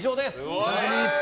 お楽しみに！